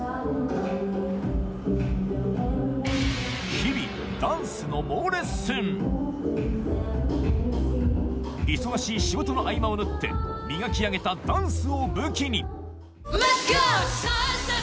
日々ダンスの猛レッスン忙しい仕事の合間を縫って磨き上げたダンスを武器に